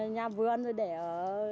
nhà vườn rồi để ở